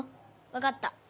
分かった。